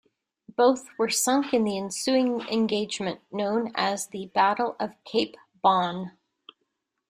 Both were sunk in the ensuing engagement, known as the Battle of Cape Bon.